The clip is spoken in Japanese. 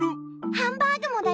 ハンバーグもだよ！